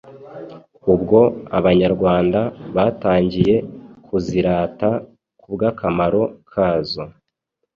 ubwo abanyarwanda batangiye kuzirata kubwakamaro kazo.